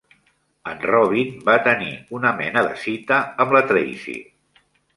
En Robin va tenir una mena de cita amb la Tracy.